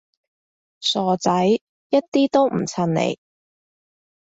傻仔，一啲都唔襯你